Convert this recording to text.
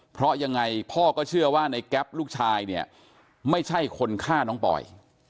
เพราะยังไงพ่อก็เชื่อว่าในแก๊ปลูกชายเนี่ยไม่ใช่คนฆ่าน้องปอย